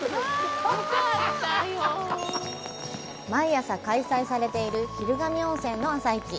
毎朝、開催されている昼神温泉の朝市。